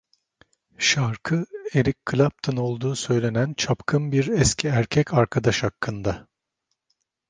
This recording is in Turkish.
Şarkı, Eric Clapton olduğu söylenen çapkın bir eski erkek arkadaş hakkında.